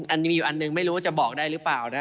อันนี้มีอยู่อันหนึ่งไม่รู้ว่าจะบอกได้หรือเปล่านะ